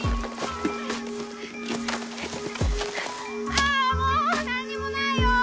あもうなんにもないよ！